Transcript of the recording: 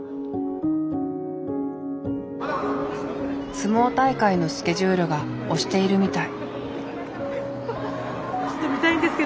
相撲大会のスケジュールが押しているみたい。